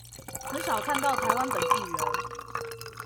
很少看到台灣本地人